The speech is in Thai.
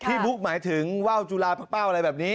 ที่พุทธหมายถึงว่าวจุลาปากเป้าอะไรแบบนี้